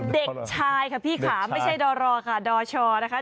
เด็กชายค่ะพี่ค่ะไม่ใช่ดอรค่ะดอชนะคะ